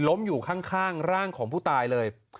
อยู่ข้างร่างของผู้ตายเลย